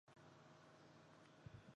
目前校长为周戏庚。